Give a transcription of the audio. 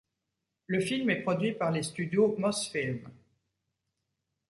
Le film est produit par les studios Mosfilm.